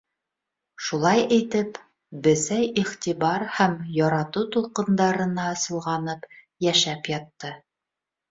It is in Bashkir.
Шулай итеп, бесәй иғтибар һәм яратыу тулҡындарына солғанып йәшәп ятты.